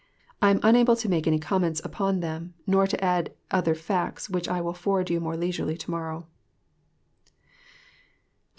I am unable to make any comments upon them nor to add other facts which I will forward you more leisurely to morrow....